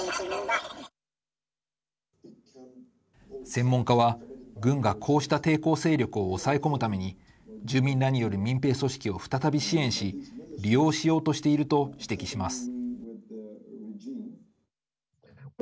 専門家は、軍がこうした抵抗勢力を抑え込むために住民らによる民兵組織を再び支援し利用しようとしていると指摘します。